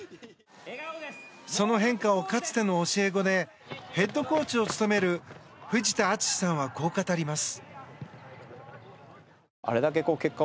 その変化をかつての教え子でヘッドコーチを務める藤田敦史さんはこう語ります。